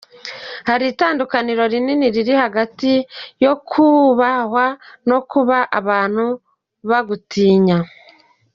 Hari itandukaniro rinini riri hagati yo kubahwa no kuba abantu bagutinya.